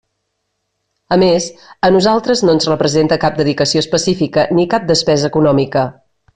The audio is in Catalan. A més, a nosaltres no ens representa cap dedicació específica ni cap despesa econòmica.